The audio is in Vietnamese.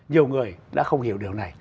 nhiều người đã không hiểu điều này